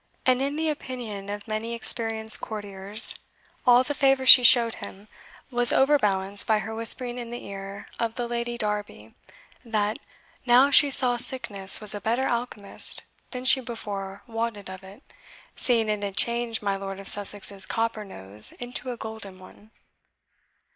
And in the opinion of many experienced courtiers, all the favour she showed him was overbalanced by her whispering in the ear of the Lady Derby that "now she saw sickness was a better alchemist than she before wotted of, seeing it had changed my Lord of Sussex's copper nose into a golden one."